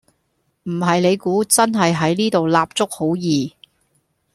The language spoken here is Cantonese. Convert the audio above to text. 唔係你估真係喺呢度立足好易?